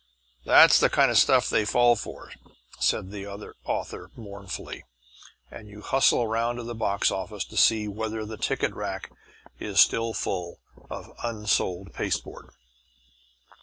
"That's the kind of stuff they fall for," said the other author mournfully, and you hustle around to the box office to see whether the ticket rack is still full of unsold pasteboard.